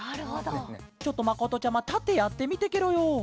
ちょっとまことちゃまたってやってみてケロよ。